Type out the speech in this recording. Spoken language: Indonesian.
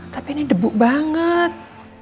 tapi ini debu banget